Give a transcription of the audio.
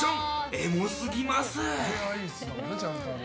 エモすぎます。